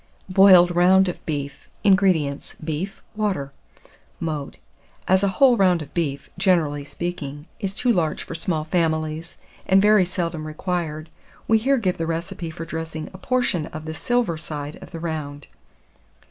BOILED ROUND OF BEEF. 608. INGREDIENTS. Beef, water. Mode. As a whole round of beef, generally speaking, is too large for small families, and very seldom required, we here give the recipe for dressing a portion of the silver side of the round.